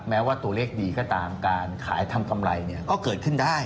แม้ว่าตัวเลขดีก็ตามการขายทำกำไรเนี่ยก็เกิดขึ้นได้